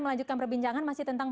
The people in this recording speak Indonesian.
melanjutkan perbincangan masih tentang